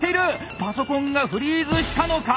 パソコンがフリーズしたのか？